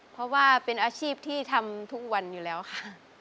เพราะว่าเป็นอาชีพที่ทำทุกวันอยู่แล้วค่ะ